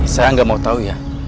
saya nggak mau tahu ya